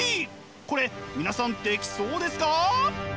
これ皆さんできそうですか？